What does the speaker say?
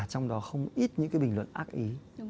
trong đó không ít những cái bình luận ác ý